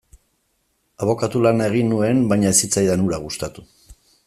Abokatu lana egin nuen, baina ez zitzaidan hura gustatu.